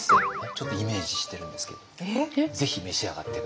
ちょっとイメージしてるんですけどぜひ召し上がって下さい。